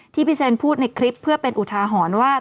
ที่พี่เซ็นพูดในคลิปเพื่อเป็นอุทหาหอนว่า